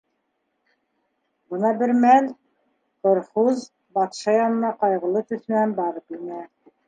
Бына бер мәл Корхуз батша янына ҡайғылы төҫ менән барып инә.